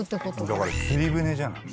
「だから釣り船じゃない？」